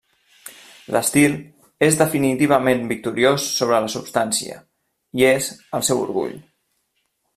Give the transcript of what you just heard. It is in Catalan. L'estil és definitivament victoriós sobre la substància, i és el seu orgull.